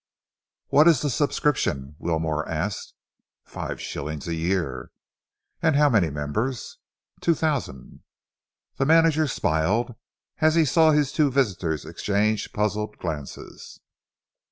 "What is the subscription?" Wilmore asked. "Five shillings a year." "And how many members?" "Two thousand." The manager smiled as he saw his two visitors exchange puzzled glances.